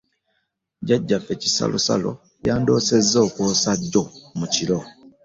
Jjajjaffe Kisalosalo yandoosezza okwosa jjo mu kiro.